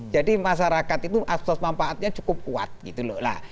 jadi masyarakat itu asas manfaatnya cukup kuat gitu loh